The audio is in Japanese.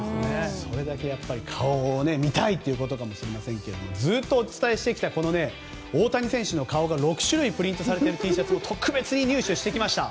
それだけ顔を見たいということかもしれませんがずっとお伝えしてきた大谷選手の顔が６種類プリントされているＴシャツも特別に入手してきました。